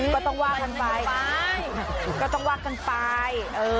ก็ต้องว่ากันไปก็ต้องว่ากันไป